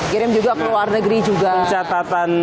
kirim juga ke luar negeri juga catatan